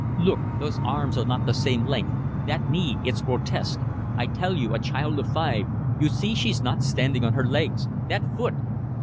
"Look, those arms are not the same length. That knee, it's grotesque. I tell you a child of five. You see, she's not standing on her legs. That foot!"